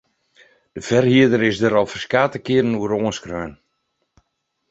De ferhierder is der al ferskate kearen oer oanskreaun.